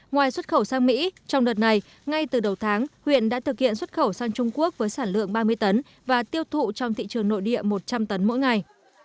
ngoài xuất khẩu sang mỹ trong đợt này ngay từ đầu tháng huyện đã thực hiện xuất khẩu sang trung quốc với sản lượng ba mươi tấn và tiêu thụ trong thị trường nội địa một trăm linh tấn mỗi ngày